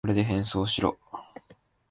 これで変装しろ。